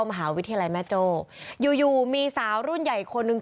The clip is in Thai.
มหาวิทยาลัยแม่โจ้อยู่อยู่มีสาวรุ่นใหญ่อีกคนนึง